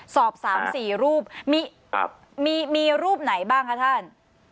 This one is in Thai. สอบ๓๔รูปมีรูปไหนบ้างคะท่าน